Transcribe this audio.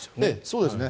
そうですね。